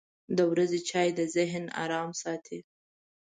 • د ورځې چای د ذهن ارام ساتي.